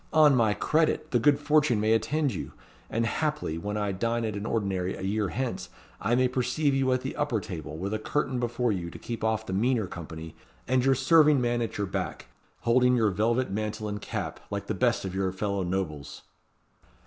On my credit! the like good fortune may attend you; and haply, when I dine at an ordinary a year hence, I may perceive you at the upper table, with a curtain before you to keep off the meaner company, and your serving man at your back, holding your velvet mantle and cap, like the best of your fellow nobles."